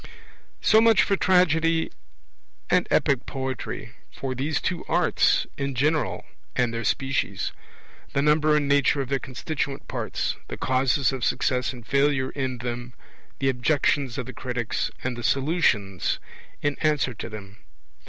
So much for Tragedy and Epic poetry for these two arts in general and their species; the number and nature of their constituent parts; the causes of success and failure in them; the Objections of the critics, and the Solutions in answer to them.